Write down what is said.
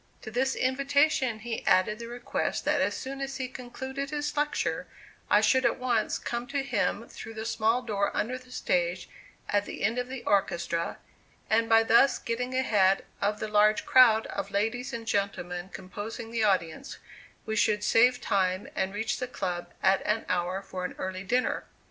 To this invitation he added the request that as soon as he concluded his lecture I should at once come to him through the small door under the stage at the end of the orchestra, and by thus getting ahead of the large crowd of ladies and gentlemen composing the audience we should save time and reach the club at an hour for an early dinner.